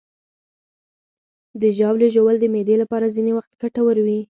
د ژاولې ژوول د معدې لپاره ځینې وخت ګټور وي.